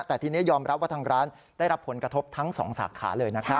แต่ทีนี้ยอมรับว่าทางร้านได้รับผลกระทบทั้ง๒สาขาเลยนะครับ